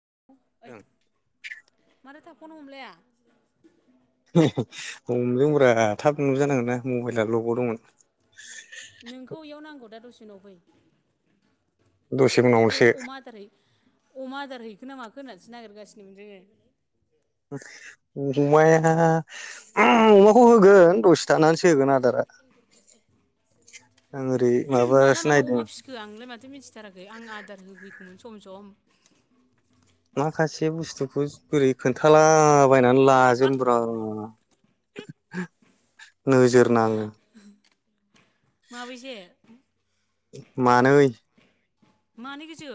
[unintelligible] माथो थाब फन हमलाया। [unintelligible] हमदोंब्रा थाब नुजानांगोन ना मबाइला लकाव दंमोन। जोंनाव फै। दसे नोंखौ उनावसो अमा आदारै अमा आदार हैखो ना माखो होननासो नागिरगासिनोमोन जोङो। [unintelligible] अमाया अमाखौ होगोन दसे थानानैसो होगोन आदारा आं ओरै माला माबासो माला नायदों अमा फिखो आंलाय माथो मिथिथाराखै आं आदार होफै गौमोन सम सम। माखासे बुस्थुखौ बोरै खोन्थाला बायनानै लाजोमनोब्रा। नोजोर नाङो। माबैसे? मानै। मानै गोजो।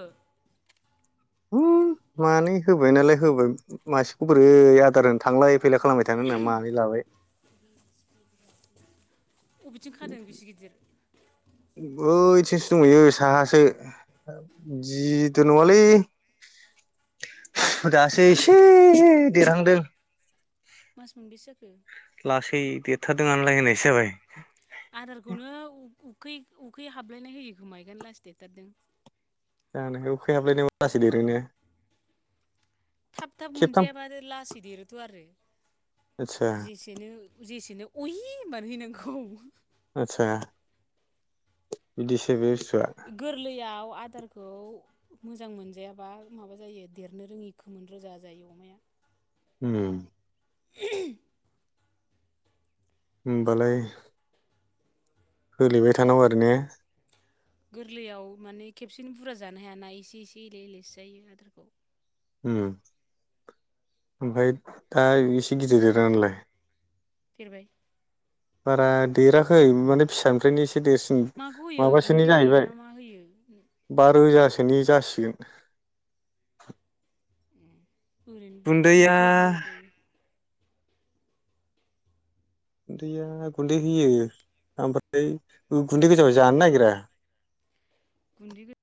हम मानै होबाय नालाय होबाय मासेखौ बोरै आदार होनो थांलाय फैलाय खालामबाय थानो होनना मानै लाबाय। अबेथिं खादों बिसि गिदिर? बैथिंसो दंहैयो साहासो गिदिर नङालै दासो एसे देरहांदों। मास मोनबैसे जाखो? लासै देरथारदों नालाय होननायसो जाबाय। आदारखौनो उफ उफ उखै उखै हाबलायनाय होयो गुमायगोन लास देथारदों। जानो उखै हाबलायनाय अब्लासो देरोना। थाब थाब मोनजायाबारो लासै देरोथ' आरो आदसा जेसेनो जेसेनो अहि होनबानो हैनांगौ। आथसा बिदिसो [unintelligible] गोरलैयाव आदारखौ मोजां मोनजायाबा माबा जायो देरनो रोङि खोमोन रोजा जायो अमाया। उम। [unintelligible] होमबालाय होलेबाय थानांगौ आरो ने? गोरलैयाव माने खेबसेनो बुरजा जानो हायाना एसे एसे एले एलेसो जायो आदारखौ। ओम ओमफ्राय दा बेसे गिदिर देरो नायालाय? देरबाय। बारा देराखै माने फिसानिफ्रायनो इसे। देरसिन माखौ होयो माबासोनि गुन्दै होयो ना जाहैबाय मा होयो बा रोजा सोनि जासिगोन। ओरैनो गुन्दैया गोरलैबो। गुन्दैया गुन्दै होयो ओमफ्राय गुन्दै गोजाबा जानो नागिरा। गुन्दैगो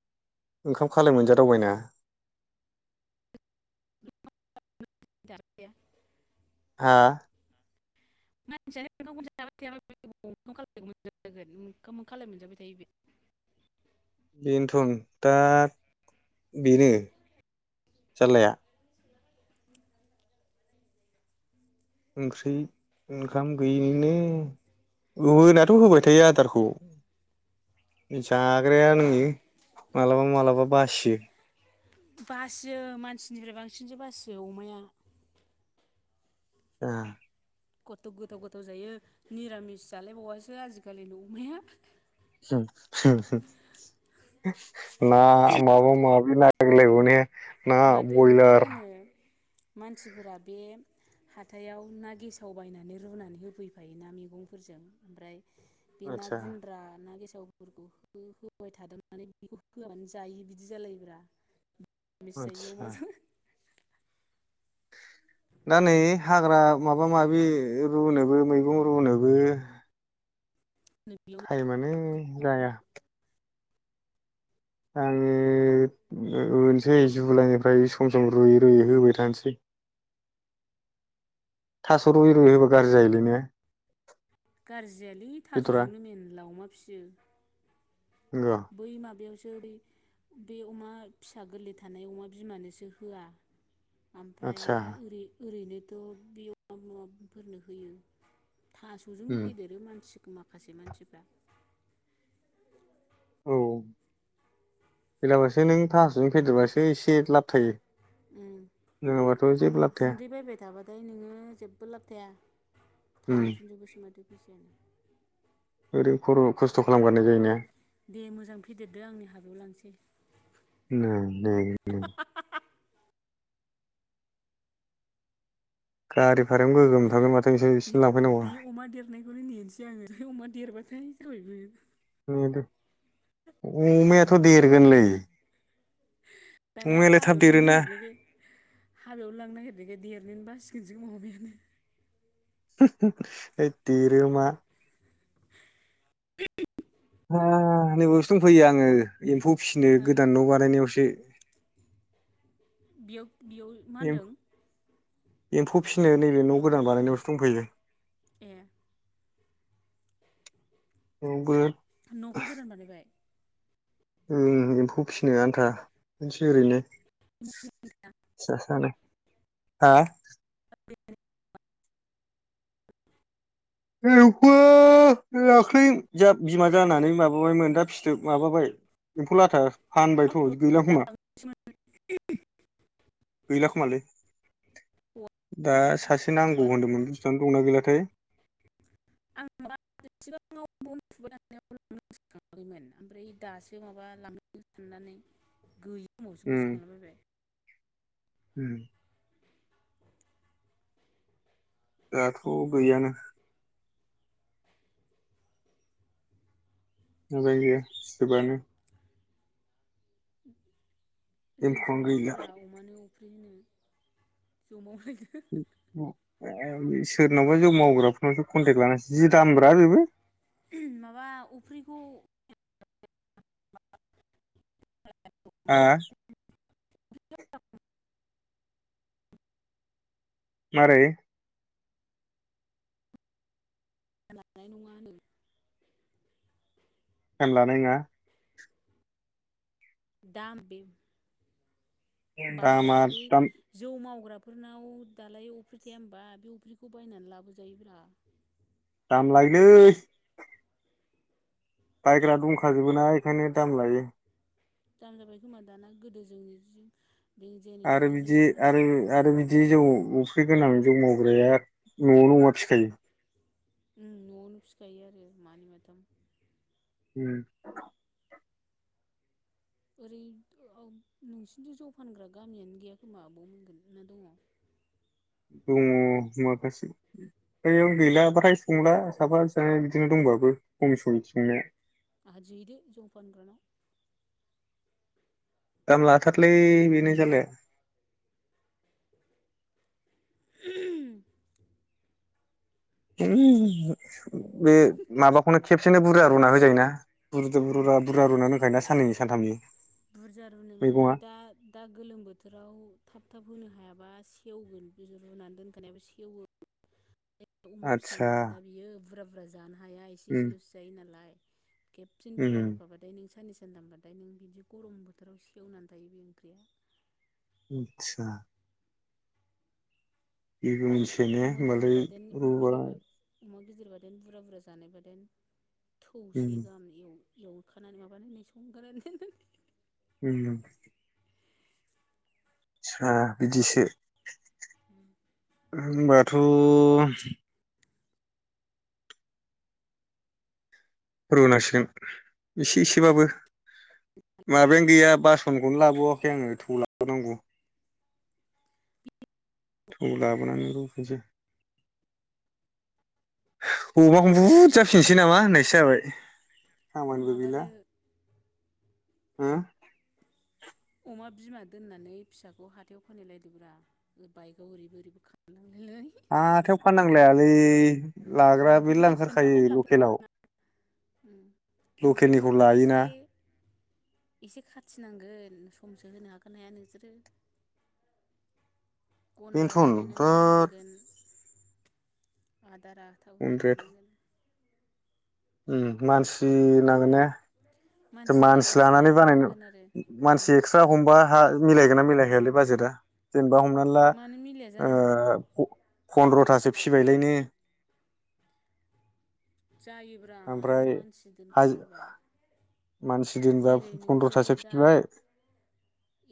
ओंखाम खालाय मोनजादावबायना। [unintelligible] जाखाया। हा? मानसियानो ओंखामखौ जाबाय थायाब्ला बेलाय ओबाव ओंखाम खालाय मोनजाबाय थागोन। ओंखाम खालाय मोनजाबाय थायो बे। बेनोथ'न दा बेनो जाल्लाया। ओंख्रि ओंखाम गैयिनिनो होनायानाथ' होबाय थायो आदारखौ। जाग्राया नोङो मालाबा मालाबा बासियो। बासियो मानसिनिफ्राय बांसिनसो बासियो अमाया। ओ‌ खथथ' गोथाव गोथाव जायो निरामिस जालायबावासो आजिखालि अमाया। होम होम होम ना माबा माब नागिर लायबावो ने? ना माथो मा बयलार होनो मानसिफोरा बे हाथायाव ना गेसाव बायनानै रुनानै होफैफायो ना मैगंफोरजों ओमफ्राय बे ना आदसा गुन्द्रा ना गेसा गेसावफोरखौ हो-होबाय थादावनानै बेखौ होआबानो जायि बिदि जालायोब्रा। बेसे जायो आदसा अमाजों। दा नै हाग्रा माबा-माबि रुनोबो मैगं रुनोबो बेयावनो टाइमानो जाया। आङो रुनोसै जुलाइनिफ्राय सम सम रुयै रुयै होबाय थानोसै। थास' रुयै रुयै होबा गाज्रि जायोलै ने? गाज्रि जायालै बेदरा थास'जोंनो मेनला अमा फियो। नंगौ बै माबायाव स जेरै बे अमा फिसा गोरलै थानाय अमा बिमानोसो होआ। ओमफ्राय आदसा ओरै ओरैनोथ' बि अमा माबाफोरनो होयो। थास'जों उम फेदेरो मानसि माखासे मानसिफ्रा। औ हेलाबासो नों थस'जों फेदेरबासो एसे लाब थायो। नङाबाथ' उ जेबो लाब थाया गुन्दै बायबाय थाबा फाय नोङो जेबो लाब थाया। उम थांफिनजोबोसो माथो। बिसेन ओरै खर' खस्थ' खालामगारनाय जायो ना? दे मोजां फेदेरदो आंनि हाबायाव लांसै नै नै नै गारि भार गोगोम थांगोन माथो नोंसोर बिसिम आयौ लांफैनांगौआ बे अमा देरनायखौनो नेनोसै आरो अमा देरबाथाय [unintelligible] [unintelligible] अमायाथ देरगोनलै दाना अमायालाय थाब हाबायाव लांनो देरोना नागिरनायखाय हाबायाव लांनो नागिरनायखाय देरनो बा [unintelligible] [inaudible] होद देरोमा [inaudible] नै बेवसो दं फैयो आङो एम्फौ फिसिनो हा गोदान न बानायनायावसो। बेयाव बेयाव मा होनदों? एम्फौ फिसिनो नैबे न गोदान बानायनायावसो दंफैयो। ऐ बौबो नखौ गोदान बानायबाय? ओ एम्फौ फिसिनो आन्था ओरैनो फिसा सानो। हा? [inaudible] एम्फौआ दाख्लै जा बिमा जानानै माबाबाय मोन दा फिथोब माबाबाय एम्फौ लाथा फानबायथ गैलाां खोमा [inaudible] गैला खोमालै। दा सासे नांगौ होनदोंमोन बुस्तुआनो दंना गैलाथाय। [unintelligible] उनावसो गोसोखांला उम बायबाय। उम दाथ गैयानो। मजां गैया फथोबानो। [inaudible] जौ एम्फौआनो संलायदोब्रा अमानो [unintelligible] गैला सोरनावबा जौ मावग्राफोरनावसो कन्टेक्ट लानसै जि दामब्रा बेबो उम माबा अफ्रिखौ हा? मारै? [inaudible] नङानो फेन लानाङा दा आं बेफ बायबा दामा बे दाम जौ मावग्रा फोरनाव दालाय अफ्रि थाया होनबा बे अफ्रिखौ बायनानै लाबोजायोब्रा। दाम लायोलै बायग्रा दंखाजोबो ना बेखायनो दाम लायो। दाम जाबाय खोमा दाना गोदो जोंनि जि आरो बिदि आरो आरो बिदि बिदि जौ अफ्रि गोनां जौ मावग्राया न'आव नङा फिखायो। उम न'आवनो फिखायो आरो मानै माथाम उम। ओरै ओ नोंसिनिथिं जौ फानग्रा गामियानो गैया खोमा बाव मोनगोन ना दङ? दङ माखासे बेयाव गैला फ्राय संला साफा सानै बिदिनो दंबाबो खमसै संनाया आदि हैदो जौ फानग्रानाव दाम लाथारलै बेनो जारलाया [unintelligible] [unintelligible] बे माबाखौनो खे बिसोरनो बुरजा रुना होजायो ना। बुरजा होमबा बुरा बुरा रुनानै दोनखायो ना साननै सानथामनि बुरजा रुनाय माने मैगङा दा दा गोलोम बोथोराव थाब थाब होनो हाया बा सेवगोन बे रुनानै दोनखानायाबो सेवो। बे अमा फिसा आदसा नालाय दा बियो बुरजा बुरजा जानो हाया एसे उम एसेल'स जायो नालाय। खेबसेनो उम बुरजा रुखाबाथाय नों साननैसो दोनदोंबाथाय नों बिदि गरम बोथोराव सेवनानै थायो बे ओंख्रिया आतसा। बेबो मोन सेनो अमा होमबालाय रुुबा गिदिरबादेन बुरजा बुरजा जानायबादेन उम थौसे गाहाम एव एवखानानै माबानानै नै [unintelligible] उम। आदसा बिदिसो। होनबाथ' रुनांसिगोन एसे एसेबाबो माबायानो गैया बासनखौनो लाबावाखै आङो थौ लाबनांगौ। थौ लाबोनानै रुफिसै, अमाखौ बुदजा फिनोसै नामा होननायसो जाबाय। खामानिबो गैला माबादो होम? अमा बिमा दोननानै फिसाखौ हाथायाव खोनायलायदोब्रा बाइकआव ओरैबो ओरैबो [unintelligible] हाथायाव फाननांलायालै लाग्रा मेरला लांफैग्रायानो ओंखारखायो खोन्थाबानो लकेलाव लां [unintelligible] खिन्थु लकेलनिखौ एसे लायोना एसे खाथिनांगोन समसो होनो हागोन हाया नोंसोरो गन्द्रा बेनोथन बानायनानै थोद दोननांगोन। आद दाराथाब होबाय थानांगोन। उ मानसि नांगोन ने? मानसि एक्सट्रा लानानै बानायनो नांगोन आरो उम मानसि एक्स्रा हमबा हा मिलायगोन ना उम मिलायहयालै बाजेटा? दा हमनानै ला मानो मिलाया जानांगौ ओ अ फन्द्र'थासो फिसिबायलायनो जायोब्रा मानो मानसि हाज दोनखाथारबा। मानसि दोनबा जेरै नोंसोरो फन्द्रथासो दा फिबाय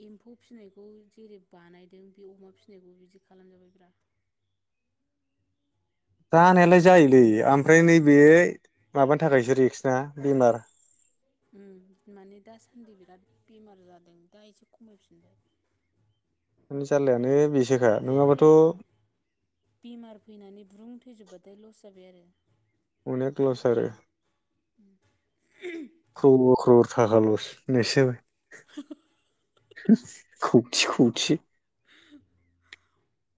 एम्फौ फिसिनायखौ जेरै बानायदों बे अमा फिनायखौ बिदि खालामजाबाय ब्रा। जानायालाय जायोलै ओमफ्राय नैबे माबानि थाखायसो रिक्स ना बेमार उम माने दासान्दि बिराद बेमार जादों दा एसे खमायफिनबाय। मानि जाल्लायानो बेसोखा जै नङाबाथ' बेमार फैनानै ब्रुं थैजोबबाथाय लस जाबाय आरो। अनेक लस आरो। ख्रर ख्रर थाखा लस होननायसो जाबाय। कौटि कौटि।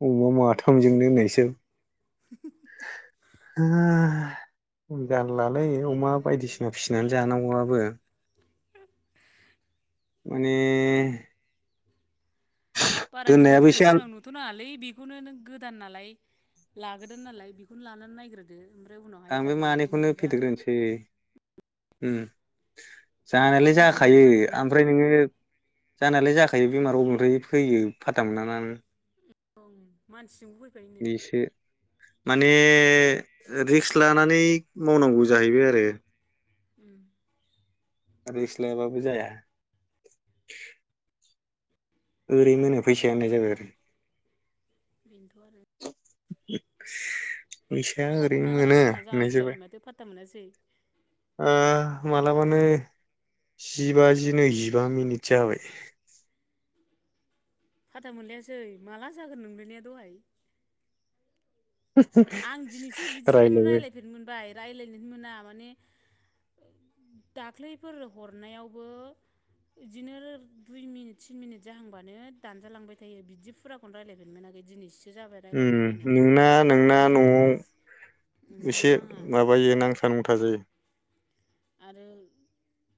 अमा माथामजोंनो होननायसो [unintelligible] लालै अमा बायदिसिना फिसिनानै जानांगौवाबो। बो। माने बारा गिदिर दोननायाबो गिदिर एसे सिमां नुथ'नाङालै बेखौनो नों गोदान नालाय लाग्रोदो नालाय बेखौनो लानानै नायग्रोदो। ओमफ्राय उनावहाय आं बे जागोन बायदि मानैखौनो नुयोबा फेदेरग्रोनोसै। उम। जानायालाय एक्सपिरियेन्स जाखायो लाग्रोनांगोन ना ओमफ्राय नोङो जानायालाय जाख बे बेमाराव अबेनिफ्राय फैयो फाथा मोनना नों। औ मानसिजों उफैबायनो। बेसो माने रिस्क लानानै मावनांगौ जाहैबाय आरो। उम। रिक्सलायाबाबो जाया। ओरैनो मोनो फैसाया होननाय जाबाय आरो। बेनोथ' आरो। [inaudible] फैसाया होद ओरैनो मोनो मालाबानो समा होननाय जाबाय जागुलायबाय माथो फात्ता मोनासै ओ। मालाबानो जिबाजि नैजिबा मिनिट जाबाय फाथ्ता मोनलायासै माला जागोन नोंलायनाया दहाय। आं दिनैसो बिदि रायलायबाय रायलायफेरनो मोनबाय रायलायनो मोना माने। दाख्लैफोर हरनायावबो बिब्दिनो दुइ मिनिट थिन मिनिट जाहांबानो दानजालांबाय थायो बिदि फुराखौनो रायलायफेरनोनो मोनाखै दिनैसिम। उम नोंना नोंना। ओमफ्राय न'आव न' एसे नाङा माबायो नांथ नुथा जायो। दे। आरो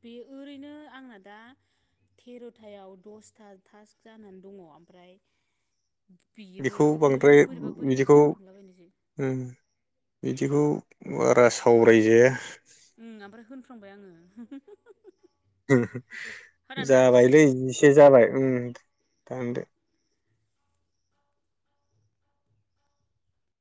बे ओरैनो आंना दा थेर'थायाव दसथा थास्क जानानै दङ ओमफ्राय। बियोबो बेखौ बांद्राय ओरैनो बोरैबा बोरै बि बिदिखौ जाफ्रालाबायनायसो। दिखौ बारा सावरायजाया। उम ओमफ्राय होन। फ्लांबाय आङो। होदां दानसैलै जाबायलै इसे जाबाय उम। दानदो।